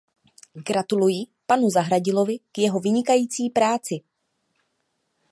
Gratuluji panu Zahradilovi k jeho vynikající práci.